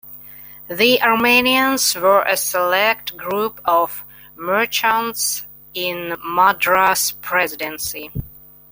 The Armenians were a select group of merchants in Madras Presidency.